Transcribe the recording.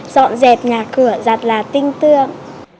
dọn dẹp nhà cửa giặt là tinh tương